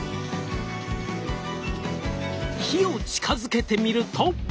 火を近づけてみると。